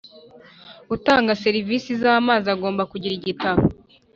Utanga serivisi z amazi agomba kugira igitabo